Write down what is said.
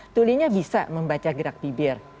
tulinya bisa membaca gerak bibir